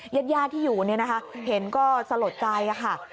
ญาติยาที่อยู่เห็นก็สะหรับใจ